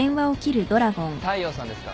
大陽さんですか？